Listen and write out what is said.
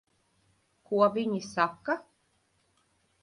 Ko viņi saka?